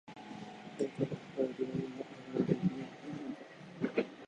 何かを考えているようにも、悩んでいるようにも見えた